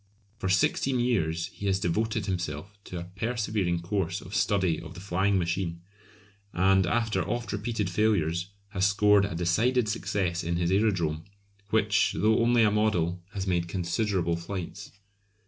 For sixteen years he has devoted himself to a persevering course of study of the flying machine, and after oft repeated failures has scored a decided success in his Aerodrome, which, though only a model, has made considerable flights.